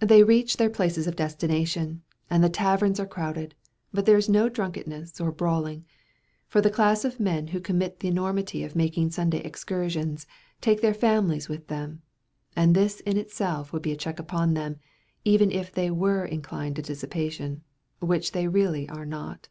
They reach their places of destination, and the taverns are crowded; but there is no drunkenness or brawling, for the class of men who commit the enormity of making Sunday excursions, take their families with them: and this in itself would be a check upon them, even if they were inclined to dissipation, which they really are not.